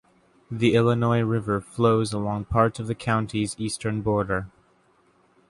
The Illinois River flows along part of the county's eastern border.